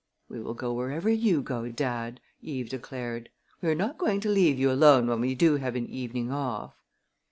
"We will go wherever you go, dad," Eve declared. "We are not going to leave you alone when we do have an evening off."